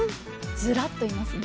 ずらっといますね。